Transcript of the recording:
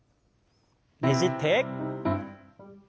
ねじって。